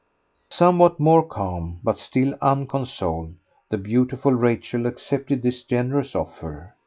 Somewhat more calm, but still unconsoled, the beautiful Rachel accepted this generous offer.